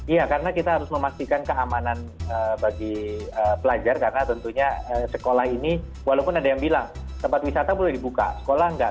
iya karena kita harus memastikan keamanan bagi pelajar karena tentunya sekolah ini walaupun ada yang bilang tempat wisata boleh dibuka sekolah enggak